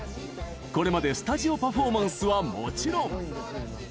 これまでスタジオパフォーマンスはもちろん。